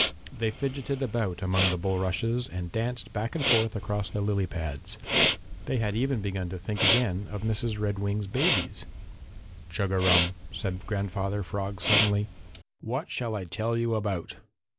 They fidgeted about among the bulrushes and danced back and forth across the lily pads. They had even begun to think again of Mrs. Redwing's babies. "Chug a rum!" said Grandfather Frog suddenly. "What shall I tell you about?"